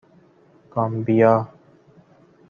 گامبیا